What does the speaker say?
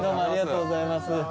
ありがとうございます。